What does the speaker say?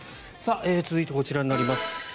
続いて、こちらになります。